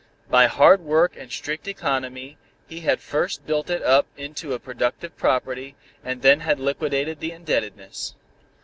By hard work and strict economy, he had first built it up into a productive property and had then liquidated the indebtedness.